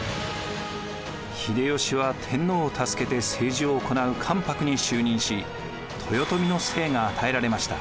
秀吉は天皇を助けて政治を行う関白に就任し豊臣の姓が与えられました。